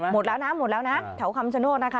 หมดแล้วนะหมดแล้วนะแถวคำชโนธนะคะ